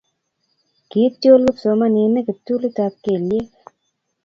kiityol kipsomaninik kiptulitab kelyek